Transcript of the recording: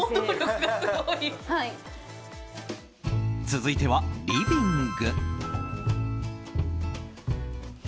続いては、リビング。